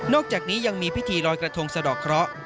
อกจากนี้ยังมีพิธีลอยกระทงสะดอกเคราะห์